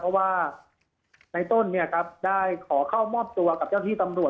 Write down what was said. เพราะว่าในต้นได้ขอเข้ามอบตัวกับเจ้าที่ตำรวจ